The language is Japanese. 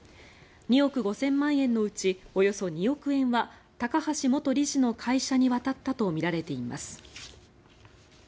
２億５０００万円のうちおよそ２億円は高橋元理事の会社に渡ったとみられています。